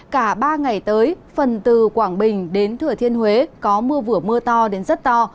cả ba ngày tới phần từ quảng bình đến thừa thiên huế có mưa vừa mưa to đến rất to